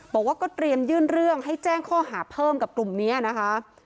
บอกว่าก็เตรียมยื่นเรื่องให้แจ้งข้อหาเพิ่มกับกลุ่มนี้นะคะ